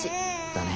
だね。